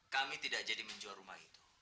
kami tidak jadi menjual rumah itu